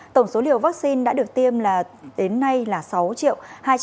tổng số liều vaccine đã được tiêm đến nay là sáu hai trăm linh ba tám trăm sáu mươi sáu liều